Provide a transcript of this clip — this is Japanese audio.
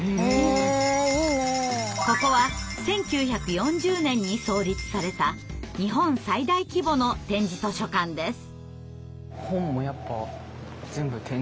ここは１９４０年に創立された日本最大規模の点字図書館です。